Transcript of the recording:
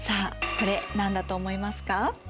これ何だと思いますか？